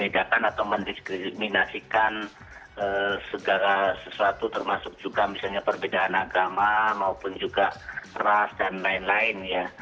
dikriminasikan segar sesuatu termasuk juga misalnya perbedaan agama maupun juga ras dan lain lain ya